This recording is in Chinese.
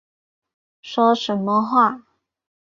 说什么话